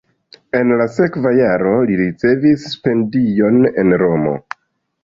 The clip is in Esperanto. En la sekva jaro li ricevis stipendion en Romo.